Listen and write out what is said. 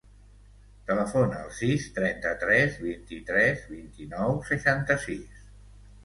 Telefona al sis, trenta-tres, vint-i-tres, vint-i-nou, seixanta-sis.